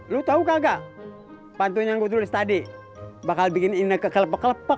lu tau kagak pantun yang gua tulis tadi bakal bikin ineke kelepek kelepek